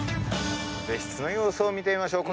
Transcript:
別室の様子を見てみましょう。